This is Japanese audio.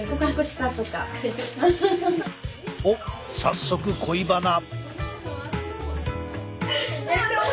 おっ早速恋バナ。